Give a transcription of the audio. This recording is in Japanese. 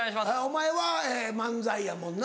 お前は漫才やもんな。